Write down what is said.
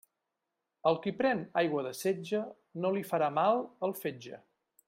Al qui pren aigua de setge no li farà mal el fetge.